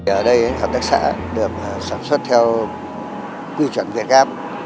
ở đây hợp tác xã được sản xuất theo quy chuẩn việt gáp